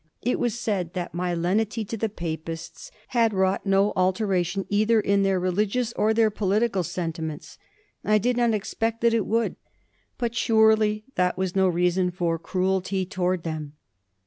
It was said that my lenity to the Papists had wrought no altera tion either in their religious or their political sentiments. I did not expect that it would ; but surely that was no reason for cruelty towards them."